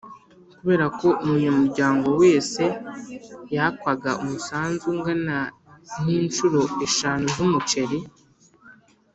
kubera ko umunyamuryango wese yakwaga umusanzu ungana n’incuro eshanu z’umuceri